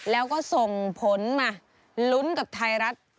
แล้วก็ส่งผลมาลุ้นกับไทยรัฐ